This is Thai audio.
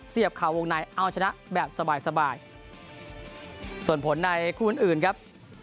ข่าววงในเอาชนะแบบสบายสบายส่วนผลในคู่อื่นอื่นครับ